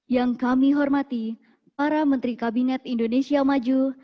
yang kami hormati para menteri kabinet indonesia maju